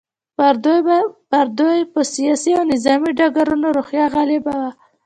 پر دوی په سیاسي او نظامي ډګرونو روحیه غالبه وه.